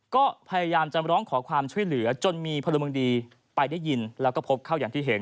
ก็พยายามจะร้องขอความช่วยเหลือจนมีพลเมืองดีไปได้ยินแล้วก็พบเข้าอย่างที่เห็น